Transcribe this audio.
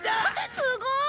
すごーい！